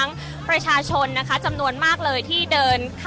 อาจจะออกมาใช้สิทธิ์กันแล้วก็จะอยู่ยาวถึงในข้ามคืนนี้เลยนะคะ